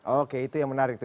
oke itu yang menarik